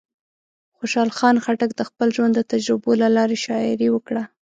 خوشحال خان خټک د خپل ژوند د تجربو له لارې شاعري وکړه.